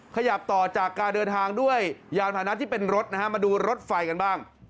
ขยับต่อจากการเดินทางด้วยยานพานะที่เป็นรถนะฮะมาดูรถไฟกันบ้าง